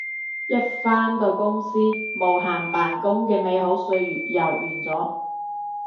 一返到公司無限扮工嘅美好歲月又完咗